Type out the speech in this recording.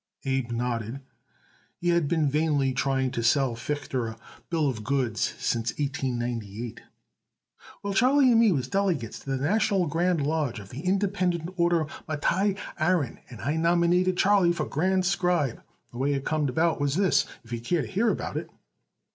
Abe nodded. He had been vainly trying to sell Fichter a bill of goods since 1898. "Well, Charlie and me was delegates to the National Grand Lodge of the Independent Order Mattai Aaron, and I nominated Charlie for Grand Scribe. The way it come about was this, if you'd care to hear about it."